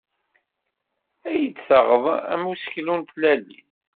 Ad taɣeḍ am useklu n Tlalit.